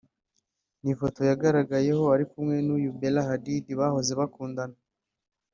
ni ifoto yagaragayeho ari kumwe n’uyu Bella Hadid bahoze bakundana